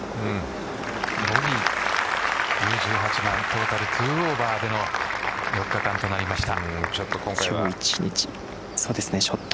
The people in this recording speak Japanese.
ボギーに１８番トータル２オーバーでの４日間となりました。